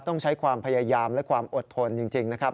ต้องใช้ความพยายามและความอดทนจริงนะครับ